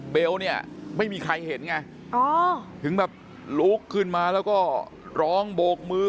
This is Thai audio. เบลเนี่ยไม่มีใครเห็นไงถึงแบบลุกขึ้นมาแล้วก็ร้องโบกมือ